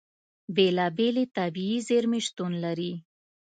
بېلابېلې طبیعي زیرمې شتون لري.